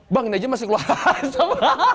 bang ini aja masih keluar asam